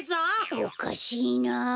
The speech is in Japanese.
おかしいなあ。